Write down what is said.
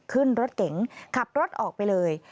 ขึ้นรถเก๋งขับรถออกไปเลย